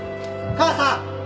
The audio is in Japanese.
母さん！